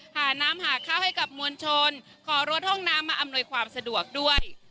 หาน้ำหาข้าวให้กับมวลชนขอรถห้องน้ำมาอำนวยความสะดวกด้วย